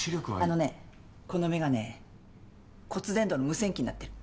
あのねこの眼鏡骨伝導の無線機になってる。